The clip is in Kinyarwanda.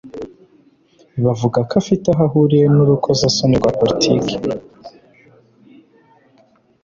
Bavuga ko afite aho ahuriye n'urukozasoni rwa politiki.